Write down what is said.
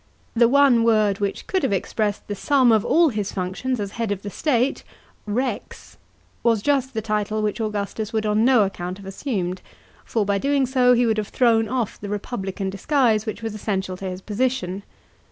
The one word which could have expressed the sum of all his functions as head of the state, — rex — was just the title which Augustus would on no account have assumed ; for by doing so he would have thrown off the republican disguise which was essential to his position.